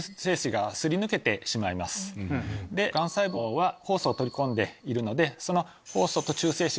がん細胞はホウ素を取り込んでいるので。